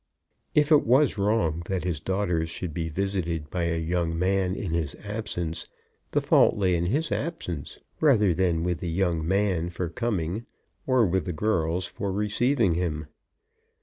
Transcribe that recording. If it was wrong that his daughters should be visited by a young man in his absence, the fault lay in his absence, rather than with the young man for coming, or with the girls for receiving him.